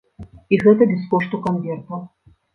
І гэта без кошту канвертаў.